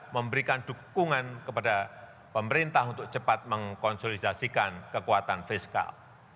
memberikan dukungan kepada pemerintah untuk cepat mengkonsolidasikan kekuatan fiskal